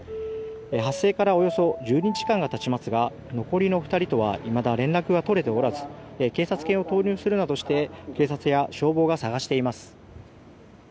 発生からおよそ１０日間が経ちますが残りの２人とはいまだ連絡が取れておらず警察犬を投入するなどして警察や消防が捜しています。